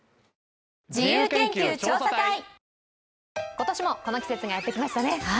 今年もこの季節がやってきましたね。